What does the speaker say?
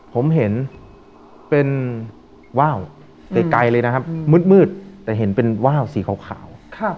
ผมเห็นเป็นว่าวไกลเลยนะครับมืดแต่เห็นเป็นว่าวสีขาว